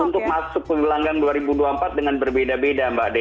untuk masuk ke gelanggang dua ribu dua puluh empat dengan berbeda beda mbak dea